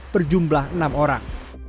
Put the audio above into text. berjumlah enam orang